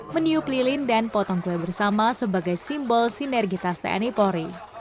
meniup lilin dan potong kue bersama sebagai simbol sinergitas tni polri